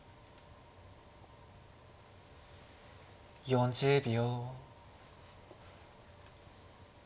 ４０秒。